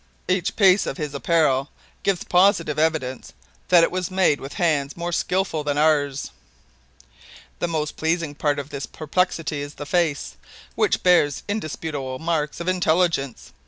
Each piece of his apparel gives positive evidence that it was made with hands more skillful than ours." "The most pleasing part of this perplexity is the face, which bears indisputable marks of intelligence.